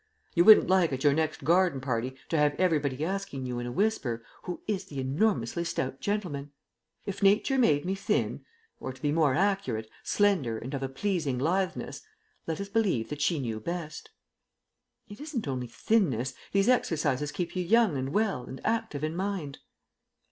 You wouldn't like, at your next garden party, to have everybody asking you in a whisper, 'Who is the enormously stout gentleman?' If Nature made me thin or, to be more accurate, slender and of a pleasing litheness let us believe that she knew best." "It isn't only thinness; these exercises keep you young and well and active in mind."